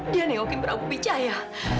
dia nengokin prabu pichaya